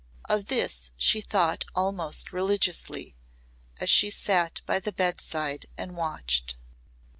Of this she thought almost religiously as she sat by the bedside and watched.